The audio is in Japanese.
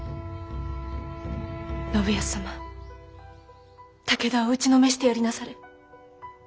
信康様武田を打ちのめしてやりなされ。